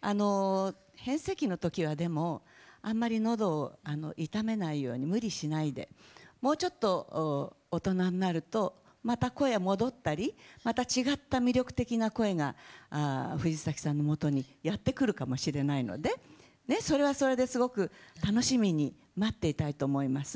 変声期のときはあんまりのどを痛めないように無理しないでもうちょっと大人になるとまた声が戻ったりまた違った魅力的な声が藤崎さんのもとにやってくるかもしれないのでそれはそれで、すごく楽しみに待っていたいと思います。